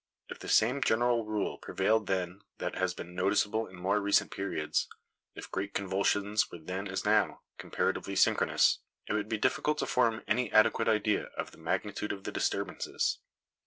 If the same general rule prevailed then that has been noticeable in more recent periods; if great convulsions were then, as now, comparatively synchronous, it would be difficult to form any adequate idea of the magnitude of the disturbances.